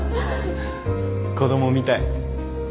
子供みたい。